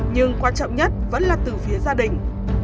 nhưng quan trọng nhất vẫn là từ phía gia đình